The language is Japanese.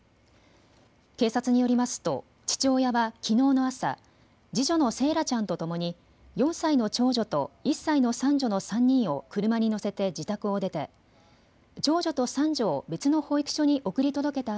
警察によりますと父親はきのうの朝、次女の惺愛ちゃんとともに４歳の長女と１歳の三女の３人を車に乗せて自宅を出て長女と三女を別の保育所に送り届けた